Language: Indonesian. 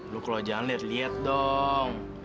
lo kalau jangan lihat lihat dong